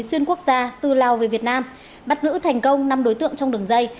xuyên quốc gia từ lào về việt nam bắt giữ thành công năm đối tượng trong đường dây